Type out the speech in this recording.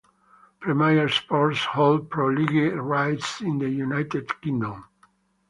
Premier Sports hold Pro League rights in the United Kingdom.